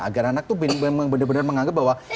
agar anak itu benar benar menganggap bahwa